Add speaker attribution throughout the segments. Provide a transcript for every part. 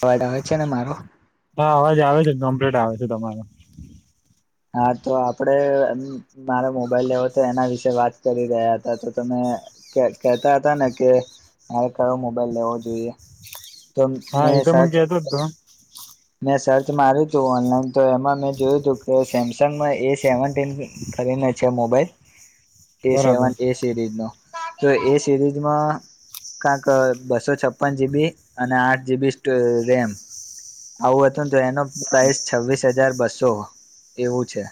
Speaker 1: અવાજ આવે છે ને મારો.
Speaker 2: હા અવાજ આવે છે, કમ્પ્લીટ આવે છે તમારો.
Speaker 1: હા તો આપડે મારે મોબાઈલ લેવો તો એના વિશે વાત કરી રહ્યા હતા. તો તમે કહેતા હતા ને કે મારે કયો મોબાઈલ લેવો જોઈએ. તો
Speaker 2: હા
Speaker 1: મેં
Speaker 2: એ તો મને
Speaker 1: સર્ચ
Speaker 2: કેતો તો. [unintelligible]
Speaker 1: મેં સર્ચ માર્યું તું ઓનલાઈન તો એમાં મેં જોયું હતું, કે સેમસંગ એ સેવન્ટીન કરીને છે મોબાઈલ. કે
Speaker 2: બરાબર
Speaker 1: સેવન એ સિરીઝ નો. તો એ સિરીઝમાં કાક બસો છપ્પન જીબી અને આઠ જીબી રેમ. આવું હતું તો એનો પ્રાઇસ છવ્વીસ હજાર બસો એવું છે.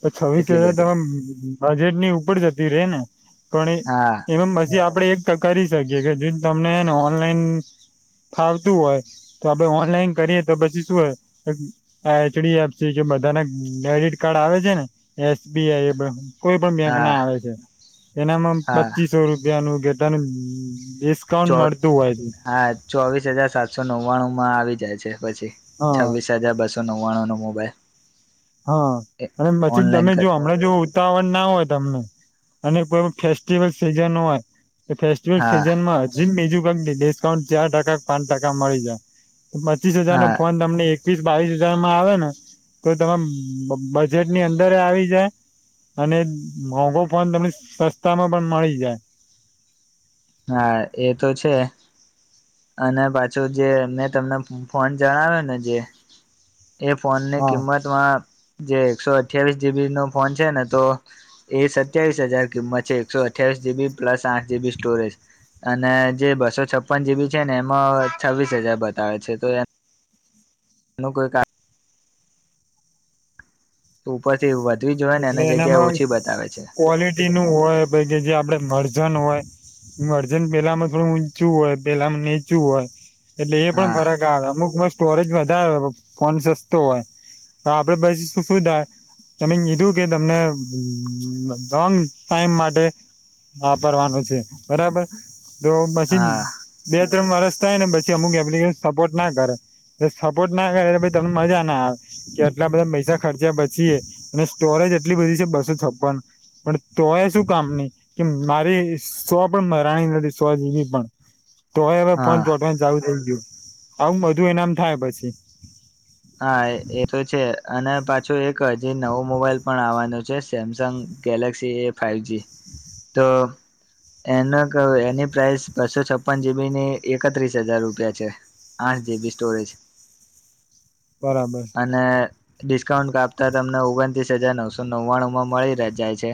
Speaker 2: તો છવ્વીસ
Speaker 1: એટલી
Speaker 2: હજાર
Speaker 1: બધી
Speaker 2: તમામે બજેટની ઉપર જતી રે ને. પણ
Speaker 1: હા
Speaker 2: એમ મ આપ આપડે એક કરી શકીએ કે જો તમનેન ઓનલાઈન ફાવતું હોય તો આપણે ઓનલાઈન કરીએ તો પછી શું હોય આ એચડી એફ કે બધાને ડેડિટ કાર્ડ આવે ને એસ બીઆઈ એ કોઈ પણ બેંક
Speaker 1: હા
Speaker 2: ના આવે છે. એનામાં
Speaker 1: હા
Speaker 2: પચીસો રૂપિયા નું કે તનું
Speaker 1: ચો હા ચોવીસ હજાર સાતસો નવ્વાણું માં આવી જાય છે. પછી
Speaker 2: હા
Speaker 1: છવ્વીસ હજાર બસો નવ્વાણું નો મો મોબાઈલ.
Speaker 2: હા અને પછી
Speaker 1: ઓનલાઈન
Speaker 2: તમે
Speaker 1: કર
Speaker 2: જો હમણાં જો ઉતાવળ ના હોય તમને અને કોઈ ફેસ્ટિવલ સિઝન હોય. એ ફેસ્ટિવલ
Speaker 1: હા
Speaker 2: સીઝનમાં હજી બીજું ક ડિસ્કાઉન્ટ ચાર ટકા પાંચ ટકા મળી જાય. પચીસ હજાર નો
Speaker 1: હા
Speaker 2: ફોન તમને એક એકવીસ બાવીસ હજાર માં આવે ને તો તમારે બજેટની અંદર આવી જાય અને મોઘો ફોન તમને સસ્તામાં પણ મળી જાય.
Speaker 1: હા એ તો છે. અને પાછું જે મેં તમને ફોન જણાવ્યો ને જે એ ફોનની
Speaker 2: હા
Speaker 1: કિંમતમાં જે એકસો અઠ્યાવીસ જીબી નો ફોન છે ને, તો એ સત્યાવીસ હજાર કિંમત છે એકસો અઠ્યાવીસ જીબી પ્લસ આઠ જીબી સ્ટોરેજ અને જે બસો છપ્પન જીબી છે ને, એમાં છવ્વીસ હજાર બતાવે છે તો એ એનું કોઈ કારણ એ ઉપ છે એવું વ
Speaker 2: એટલે એનામાં ક્વોલિટી નું હોય પ કે જે આપડે મળજ અજૅન હોય અર્જન પેલામાં થોડું ઊંચું હોય પેલા નીચું હોય. એટલે એ પણ
Speaker 1: હા
Speaker 2: ફરક આવે અમુક મસ્ત સ્ટોરેજ વધારે ફોન સસ્તો હોય તો આપડે પછી શું શું થાય તમે બીધું કે તમને લોંગ ટાઈમ માટે વાપરવાનું છે બરાબર! તો પછી
Speaker 1: હા
Speaker 2: બે વરસ થાય ને પછી અમુક એપ્લિકેશ સપોર્ટ ના કરે સપોર્ટ ના કરે. એટલે તમને મજા ના આવે કે આટલા બધા પૈસા ખર્ચ્યા પછી અને સ્ટોરેજ એટલી બધી છે બસો છપ્પન પણ તો એ શું કામની કે મારી સો પણ મરાણી નથી સો જીબી પણ. તો એવે ફોન
Speaker 1: હા
Speaker 2: ચો જાઉ થઈ ગયું. આવું બધું એનામ થાય પછી.
Speaker 1: હા એ તો છે અને પાછું એક જ નવો મોબાઈલ પણ આવવાનો છે. Samsung Galaxy A five G. તો એનો એની પ્રાઇસ બસો છપ્પન જીબીની એકત્રીસ હજાર રૂપિયા છે આઠ જીબી સ્ટોરેજ.
Speaker 2: બરાબર
Speaker 1: અને ડિસ્કાઉન્ટ કાપ તમને ઓગણત્રીસ હજાર નવસો નવ્વાણુંમાં મળી જાય છે.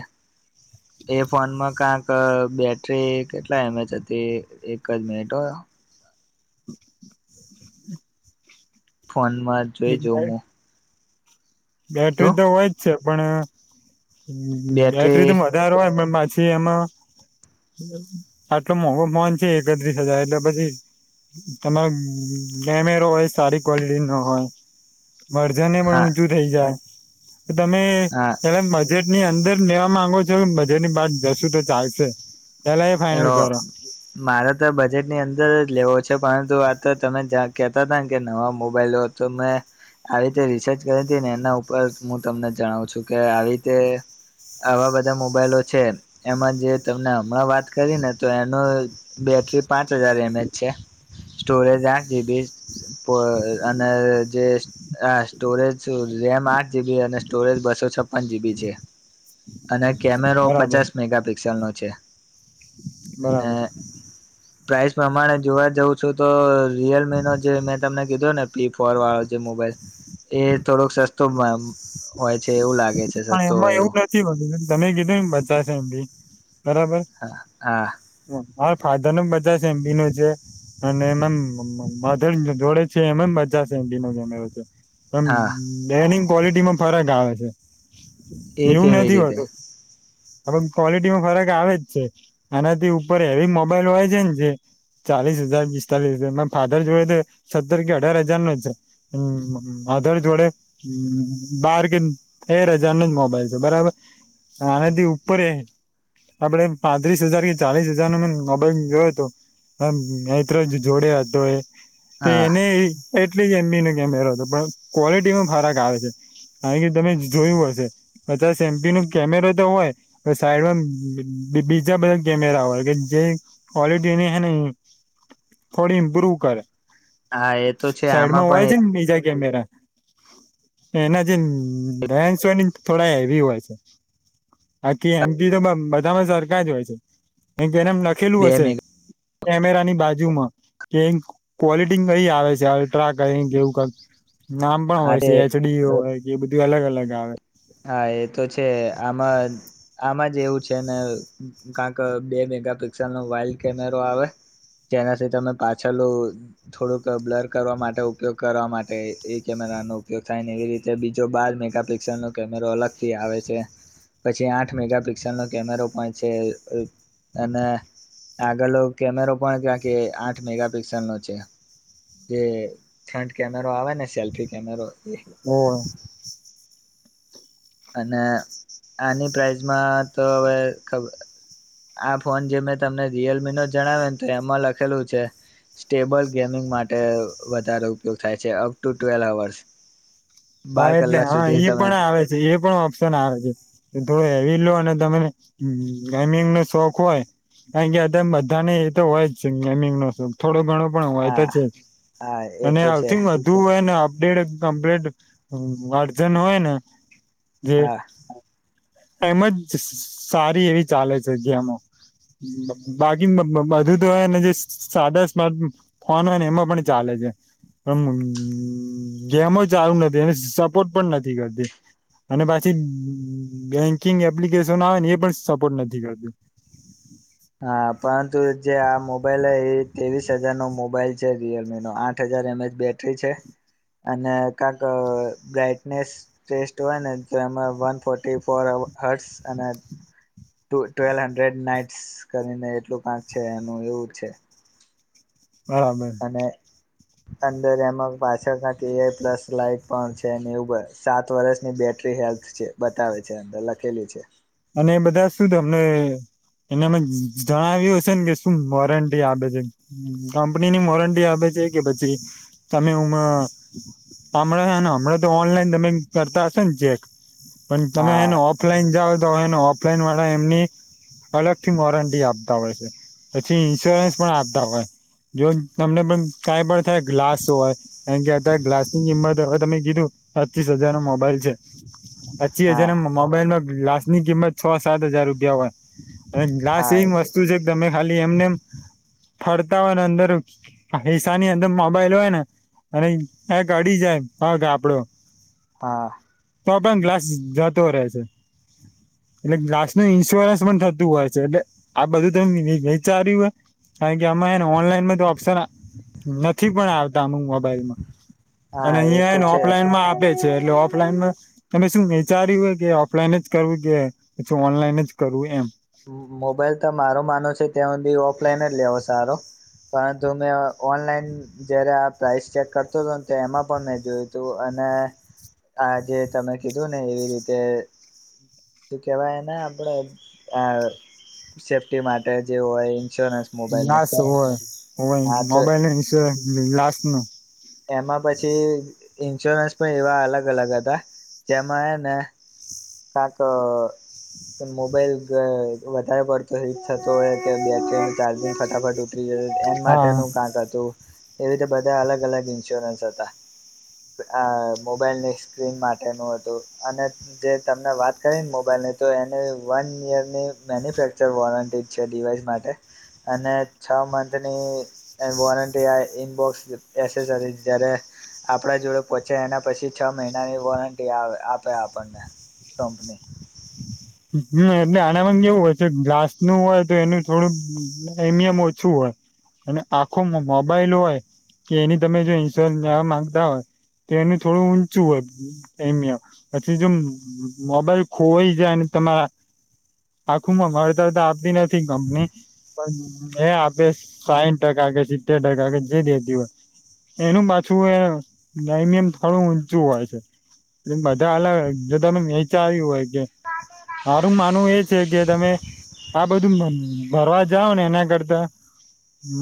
Speaker 1: એ ફોનમાં કંક બેટરી કેટલા એમએચ હતી એક જ મિનિટો હો. ફોનમાં જોઈ જાઉં હું
Speaker 2: બેટરી
Speaker 1: શું
Speaker 2: તો હોય જ છે પણ હમ એટ
Speaker 1: બેટરી
Speaker 2: રીતે મજાારવાય પછી એમાં આટલો મોંઘો ફોન છે એકત્રીસ હજાર એટલે પછી તમારો કેમેરો હોય સારી ક્વલિટી નો હોય વરજને
Speaker 1: હા
Speaker 2: જાય તમે
Speaker 1: હા
Speaker 2: એ બજેટ ની અંદર લેવા માંગો છો મજેટની બાદ જશું તો ચાલશે પેલા એ ફાઈનલ
Speaker 1: એલો
Speaker 2: કરો
Speaker 1: મારે તો બજેટ ની અંદર જ લેવો છે પરંતુ આ તો તમે કેતા હતાને કે નવા મોબાઈલો તો મે આવી રીતે રિસર્ચ કરી હતી ને એના ઉપર હું તમને જણાવું છું કે આવી રીતે આવા બધા મોબાઈલો છે એમાં જે તમને હમણાં વાત કરીને તો એનું બેૅટરી પાંચ હજાર એમએચ છે સ્ટોરેજ આઠ જીબી અને જે સ્ટોરેજ રેમ આઠ જીબી અને સ્ટોરેજ બસો છપ્પન જીબી છે અને કેમેરો
Speaker 2: બરાબર
Speaker 1: પચાસ મેગાપિક્સેલનોો છે
Speaker 2: બરાબર
Speaker 1: આસ પ્રમાણે જોવા જઉં છું તો રિયલમી નો જે મેં તમને કીધો ને ફ્લીપોર વાળો છે મોબાઈલ એ થોડોક સસ્ તો મેમ
Speaker 2: હા એમાં એવું નથી બતું તમે કીધું ને બચશે એમ બી
Speaker 1: હા હા
Speaker 2: હ ફાધર ન બચાશે એમ બી ન છે અને એમાં મધર જોડે છે એમ બ પચ એમડી નોમ
Speaker 1: હા
Speaker 2: છે ક્વલિટીમાં ફરક આવે છે
Speaker 1: એ
Speaker 2: એવું
Speaker 1: કેવી
Speaker 2: નથી
Speaker 1: રીતે
Speaker 2: હોતું હ ક્વોલિટીમાં ફરક આવે જ છે આનાથી ઉપર હેવી મોબાઈલ હોય છે ને જે ચાલીસ હજાર પિસ્તાલીસ હજાર ફાધર જોડે તો સત્તર કે અઢાર હજાર નો છે અધર જોડે બાર કે તેર હજાર નો જ મોબાઈલ છે બરાબર આનાથી ઉપર આપડે પાંત્રીસ હજાર કે ચાલીસ હજાર નો મોબાઈલ જોયો હતો અ ત્ર જોડે હતો એ તે
Speaker 1: હા
Speaker 2: એને એટલી જ એમબી નો કેમેરો હતો પણ ક્વોલિટી પણ ફરાક આવે છે કારણ કે તમે જોયું હશે પચાસ એમપી ન કેમેરો તો હોય પણ સાઈડમાં બીજા બધા કેમેરા હોય કે જે ક્વોલિટી એને હ ને થોડી ઈમ્પ્રુવ કરે
Speaker 1: હા એ તો છે આમાં પણ
Speaker 2: મેરા એના દયાનશની થોડા હેવી હોય છે આકી એમપી તો બધામાં સરખા જ હોય છે જેનેમ લખેલું
Speaker 1: બે
Speaker 2: હશે કેમેરા ની બાજુ કીયુ મા કે ક્વોલિટી કઈ આવે છે હવે ટ્રા કરી એવું કાક નામ પણ
Speaker 1: મેગા
Speaker 2: હોય છે એચડી હોય એ બધું અલગ અલગ આવે
Speaker 1: હા એ તો છે આમાં આમાં જે એવું છે ને કાંક બે મેગાપિક્સલનો વાઇલ્ડ કેમેરો આવે જેનાથી તમે પાછલું થોડુંક બ્લર કરવા માટે ઉપયોગ કરવા માટે એ કેમેરાનો ઉપયોગ થાય ને એવી રીતે બીજો બાર મેગાપિક્સલ નનો કેમેરો અલગ થી આવે છે પછી આઠ મેગા પિક્સલ નો કેમેરો પણ છે અને આગળલો કેમેરો પણ ક્યા કે આઠ મેગાપિક્સલ નો છે જે ફ્રન્ટ કેમેરો આવે ને સેલ્ફી કેમેરો એ
Speaker 2: હોવે
Speaker 1: અને આની પ્રઇઝમાં તો હવે ખબર આ ફોન જે મેં તમને રિયલમી નો જણાવ્યો ને તો એમાં લખેલું છે સ્ટેબલ ગેમિંગ માટે વધારે ઉપયોગ થાય છે અપ ટુ ટ્વેલ અવર્સ બાર
Speaker 2: હા એટલે
Speaker 1: કલાક
Speaker 2: હા
Speaker 1: સુધી
Speaker 2: એ
Speaker 1: તમે
Speaker 2: પણ આવે છે એ પણ ઓપ્શન આવે છે થોડો હેવી લોન તો તમે ગેમિંગ નો શોખ હોય કારણ કે બધાને એતો હોય જ ગેમિંગ નો શોખ થોડો ઘણો પણ હોયતો
Speaker 1: હા
Speaker 2: છે
Speaker 1: હા એ
Speaker 2: અને
Speaker 1: તો છે
Speaker 2: આંગ વધુ હોયને દેઢ કપ્લેડ હમ અડજણ હોયને [inaudible]
Speaker 1: હા
Speaker 2: એમ જ સારી એવી ચાલે છે ગેમો બાકી બધું તો હોને જે સાદા સ્માર્ટ ફોન હોય ને એમાં પણ ચાલે છે પણ ગેમો ચાલુ નથી એ સપોર્ટ પણ નથી કરતી અને પછી બેંકિંગ એપ્લિકેશન આવે એ પણ સપોર્ટ નથી કરતો
Speaker 1: હા પરંતુ જે આ મોબાઈલ હ એ ત્રેવીસ હજારનો મોબાઈલ છે રિયલમીનોો આઠ હજાર એમએચ બેટરી છે અને કંક બ્રાઈટનેસ બેસ્ટ હોય ને તો એમાં વન ફોર્ટી ફોર હટસ અને ટ્વેલ હન્ડ્રેડ નાઈટસ કરીને એટલું કંક છે એનું એવું છે અને
Speaker 2: [inaudible]
Speaker 1: અંદર એમાં પાછળ એઆઈ પ્લસ લાઈટ પણ છે ઉર સાત વર્ષની બેટરી હેલ્થ છે બતાવે છે અંદર લખેલી છે
Speaker 2: અને એ બધા શું તમને એનેમાં જણાવ્યું હશે ને કે શું વોરંટી આપે છે કંપનીની વોરંટી આપે છે કે પછી તમે હમાં હમણાં હમણાં તો ઓનલાઈન તમે કરતા હશો ને ચેક પણ તમે
Speaker 1: હા
Speaker 2: એને ઓફલાઈન જાઓ હોયને ઓફલાઈન વાળા એમની અલગથી વોરંટી આપતા હોય છે પછી ઇન્સ્યોરન્સ પણ આપતા હોય જો તમને પણ કાઈ પણ થે ગ્લાસ હોય એમ કે અ્યારે ગ્લાસ ની કિંમત હવે તમે કીધું પચીસ હજાર નો મોબાઈલ છે પછી હજાનો
Speaker 1: હા
Speaker 2: મોબાઈલ માં લાસ ની કિંમત છો સાત હજાર રૂપિયા હોય અને ગ્લાસ
Speaker 1: હા એ
Speaker 2: એમ
Speaker 1: તો
Speaker 2: વસ્તુ છે તમે ખાલી એમને એમ ફરતા હોય અંદર હિસાની અંદર મોબાઈલ હોય ને અને ગડી જાય આપડો
Speaker 1: હા
Speaker 2: તો પણ ગ્લાસ જતો રહે છે એટલે ગ્લાસ ની ઈન્સ્યોરન્સ પણ થતું હોય છે એટલે આ બધું તમે વિચાર્યું હોય કારણ કે આમાં એને ઓનલાઈનમાં તો ઓપ્શન નથી પણ આવતામ અમુક વાર મોબલમાં અને
Speaker 1: હા એ
Speaker 2: અહિયાં
Speaker 1: તો
Speaker 2: એને
Speaker 1: છે
Speaker 2: ઓફલાઈનમાં આપે એટલે ઓફલાઈન તમે શું વિચાર્યું હોય કે ઓફલાઈન જ કરવું કે પછી ઓનલાઈન જ કરવું એમ
Speaker 1: મોબાઈલ તો મારો માનો છે ત્યા બી ઓફલાઈન જ લેવો સારો પરંતુ મેં ઓનલાઈન જયારે આ પ્રઇસ ચેક કરતો હતો ને એમાં પણ મેં જોયું તું અને આ જે તમે કીધું ને એવી રીતે શું કેહેવાયને આપણે સેફ્ટી માટે જે હોય ઇન્સ્યોરન્સ મોબાઈલ નું
Speaker 2: લસ હોય હોય
Speaker 1: હા તો
Speaker 2: મોબાઈલ લાસ નું
Speaker 1: એમાં પછી ઇન્સ્યોરન્સ પણ એવા અલગ અલગ હતા જેમાં ને કાકા પણ મોબાઈલ વધારે પડ હીટ થત હોય કે બેટરી ન ચાર્જિંગ ફટાફટ ઉતરી જ એન
Speaker 2: હા
Speaker 1: માટેનું કાંક હતું એવી રીતે બધા અલગ અલગ ઇન્સ્યોરન્સ હતા મોબાઈલની સ્ક્રીન માટેનું હતું અને જે તમને વાત કરીને મોબાઈલની તો એની વન યરની મેન્યુફેક્ચર વોરંટી છે ડિવાઈસ માટે અને છ મંથની વોરંટી આવે ઇનબોક્સ એસેસરી જયારે આપણા જોડે પોહોંચે એના પછી છ મહિનાની વોરંટી આપે આપણને ટંપને
Speaker 2: હમ એટલે આના કેવું હોય કે ગ્લાસનુંું હોય તો એનું થોડું એમિયમ ઓછું હોય અને આખો મોબાઈલ હોય કે એની તમે જો ઇન્સ્ટોલ નવા માંગતા હોય તો એનું થોડું ઊંચું હોય એમિયમ પછી જો મોબાઈલ ખોવાઈ જાય તમારા આખુંમાં મળતા તો આપતી નથી કંપની પણ એ આપે સાહીઠ ટકા કે સિતતેર ટકા કે જે દેતી હોય એનું પાછું એ પ્રમિયમ થોડું ઊંચું હોય છે એલે બધા અલગ જો તમે વેચાવ્યું હોય મારું માનવું એ છે કે તમે આ બધું ભરવા જાઓ ને એના કરતા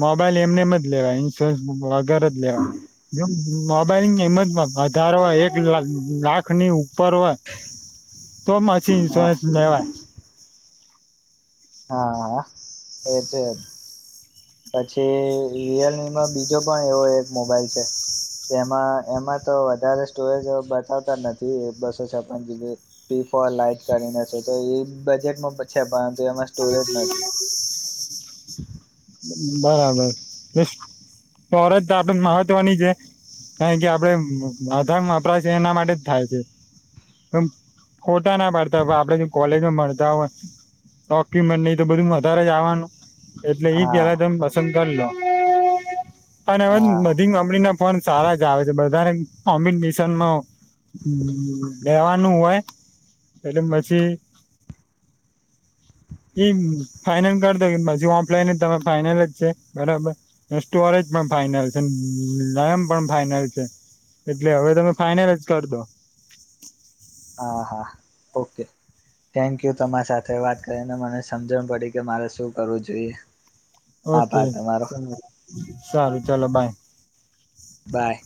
Speaker 2: મોબાઈલ એમને મ લેવા ન્સર ઘરજ લેવાયમ મોબાઈલની કિંમતમાં વધાર હોય એક લાખની ઉપર હોય તો
Speaker 1: હા
Speaker 2: રેવા
Speaker 1: હા એટ પછી રિયલમીમાં બીજો પણ એવો એક મોબાઈલ છે જેમાં એમાં તો વધારે સ્ટોરેજ બતાવતા નથી બસો છપન જીબી પી ફોર લાાઈટ કરીને છે તો એ બજેટમાં છે પરંતુ એમાં સ્ટોરેજ નથી
Speaker 2: બરાબર એરત આપડ મહત્વની છે કારણ કે આપડે વધધાર વપરાશ એના માટે જ થાય છે ફોટા ના પાડતા આપડે જો કોલેજમાં મળતા હોય ડોક્યુમેન્ટ નહી તો બધું વધારે જવાનું એટલે એ જ
Speaker 1: હા
Speaker 2: સંંગ ન [unintelligible] અને હવે
Speaker 1: હા
Speaker 2: બધી મામણી ના ફોન સારા જ આવે છે, બધાય કોમ્બિનેશનમાં લેવાનું હોય એટલે પછી એ ફાઈનલ કરી દો પછી ઓફલાઈન તર ફાઈનલ જ છે બરાબર, સ્ટોરજ પણ ફાઈનલ છે, લરમ પણ ફાઈનલ છે એટલે હવે તમે ફાઈનલ જ કર દો.
Speaker 1: હા હા, ઓકે થેન્ક યુ તમારી સાથે વાત કરીને મને સમજણ પડી કે મારે શું કરવું જોઈએ.
Speaker 2: ઓકે,
Speaker 1: આભાર તમારો
Speaker 2: સારું ચાલો બાય.
Speaker 1: બાય